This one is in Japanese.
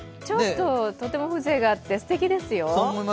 とても風情があってすてきですよ。